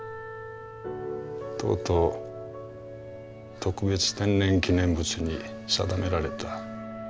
「とうとう特別天然記念物に定められた。